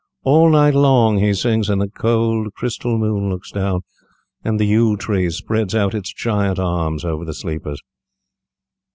All night long he sings, and the cold crystal moon looks down, and the yew tree spreads out its giant arms over the sleepers."